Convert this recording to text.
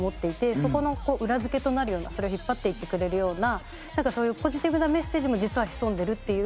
そこの裏付けとなるようなそれを引っ張っていってくれるようなそういうポジティブなメッセージも実は潜んでるっていう。